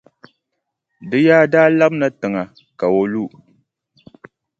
Di yaa daa labina tiŋa ka o lu.